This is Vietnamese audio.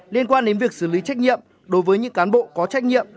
liên quan đến việc xử lý trách nhiệm đối với những cán bộ có trách nhiệm